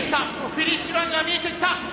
フィニッシュラインが見えてきた。